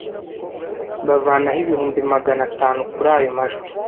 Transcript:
Bavanaho ibihumbi magana atanu kurayo majwi